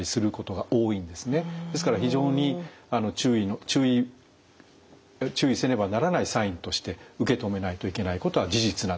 ですから非常に注意せねばならないサインとして受け止めないといけないことは事実なんです。